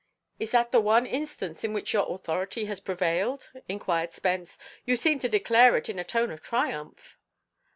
"Is it the one instance in which your authority has prevailed?" inquired Spence. "You seem to declare it in a tone of triumph."